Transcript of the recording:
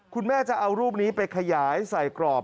คุณแม่จะเอารูปนี้ไปขยายใส่กรอบ